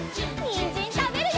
にんじんたべるよ！